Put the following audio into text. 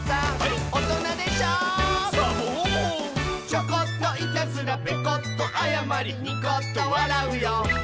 「チョコッといたずらペコッとあやまりニコッとわらうよ」